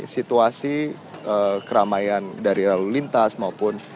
situasi keramaian dari lalu lintas maupun